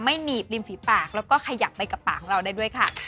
หนีบริมฝีปากแล้วก็ขยับไปกับปากของเราได้ด้วยค่ะ